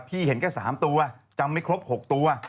เห็นแค่๓ตัวจำไม่ครบ๖ตัว